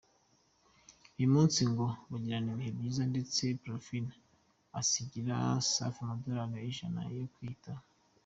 Uwo munsi ngo bagiranye ibihe byiza ndetse Parfine asigira Safi amadolari ijana yo kwiyitaho.